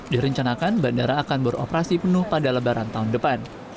direncanakan bandara akan beroperasi penuh pada lebaran tahun depan